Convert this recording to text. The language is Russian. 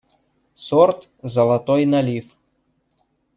Сорт «золотой налив».